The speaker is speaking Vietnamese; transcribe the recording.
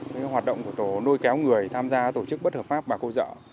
với hoạt động của tổ nôi kéo người tham gia tổ chức bất hợp pháp bà cô dợ